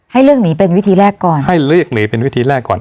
ให้เลือกหนีเป็นวิธีแรกก่อน